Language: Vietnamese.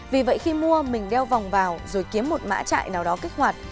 vì vậy khi mua mình đeo vòng vào rồi kiếm một mã trại nào đó kích hoạt